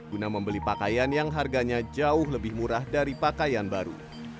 guna membeli pakaian yang harganya jauh lebih murah dari pakaian baru